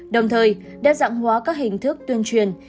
đồng thời đơn giản hóa các hình thức tuyên truyền